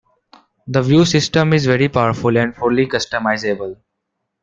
The view system is very powerful and fully customizable.